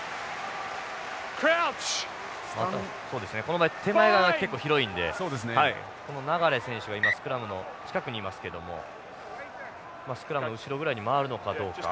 そうですねこの手前側が結構広いんで流選手が今スクラムの近くにいますけどもスクラムの後ろぐらいに回るのかどうか。